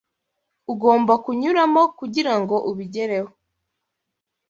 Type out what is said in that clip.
ugomba kunyuramo kugira ngo ubigereho